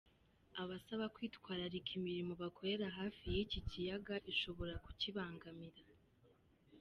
Abasaba kwitwararika imirimo bakorera hafi y’iki kiyaga ishobora kukibangamira.